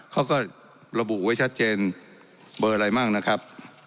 เขาก็ระบุไว้ชัดเจนเบอร์อะไรมั่งนะครับ